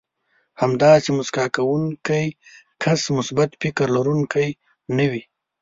همداسې مسکا کوونکی کس مثبت فکر لرونکی نه وي.